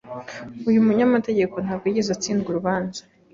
Uyu munyamategeko ntabwo yigeze atsindwa urubanza.